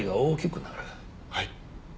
はい？